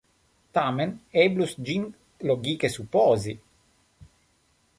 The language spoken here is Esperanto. Tamen eblus ĝin logike supozi!